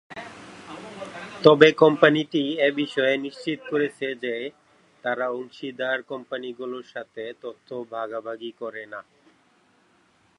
তবে কোম্পানিটি এ বিষয়ে নিশ্চিত করেছে যে, তারা অংশীদার কোম্পানিগুলোর সাথে তথ্য ভাগাভাগি করে না।